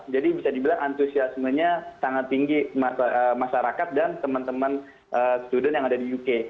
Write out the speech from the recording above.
jadi bisa dibilang antusiasmenya sangat tinggi masyarakat dan teman teman student yang ada di uk